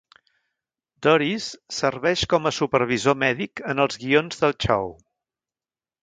Doris, serveix com a supervisor mèdic en els guions del xou.